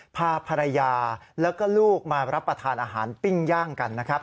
พาภรรยาแล้วก็ลูกมารับประทานอาหารปิ้งย่างกันนะครับ